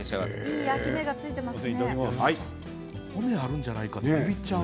いい焼き目がついていますね。